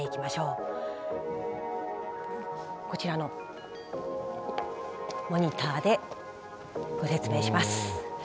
こちらのモニターでご説明します。